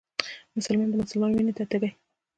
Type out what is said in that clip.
مسلمان د مسلمان وينو ته تږی